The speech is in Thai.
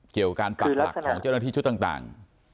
เกี่ยวกับปักหลักของเจ้าหน้าที่ชุดต่าง